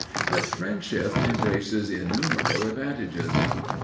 But friendship embraces innumerable advantages.